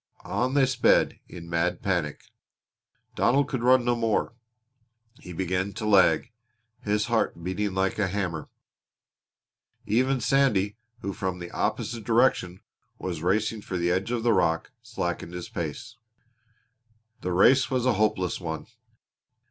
On they sped in mad panic. Donald could run no more. He began to lag, his heart beating like a hammer. Even Sandy, who from the opposite direction was racing for the edge of the rock, slackened his pace. The race was a hopeless one.